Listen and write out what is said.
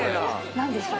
何ですか？